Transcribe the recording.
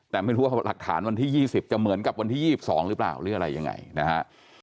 แต่ไม่รู้ว่าหลักฐานวันที่๒๐จะเหมือนกับวันที่๒๒หรือเปล่าหรืออะไรยังไงนะฮะ